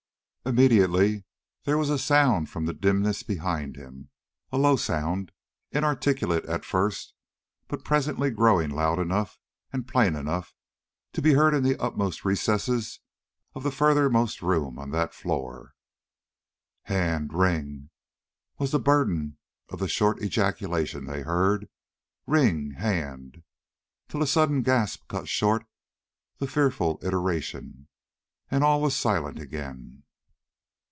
Immediately there was a sound from the dimness behind him, a low sound, inarticulate at first, but presently growing loud enough and plain enough to be heard in the utmost recesses of the furthermost room on that floor. "Hand! ring!" was the burden of the short ejaculation they heard. "Ring! hand!" till a sudden gasp cut short the fearful iteration, and all was silent again.